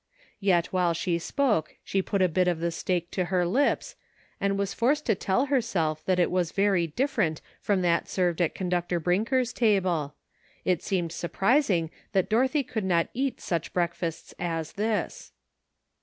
Yet while she spoke she put a bit of the steak to her lips and was forced to tell herself that it was very different from that served at Conductor Brinker's table ; it seemed surprising that Doro thy could not eat such breakfasts as this.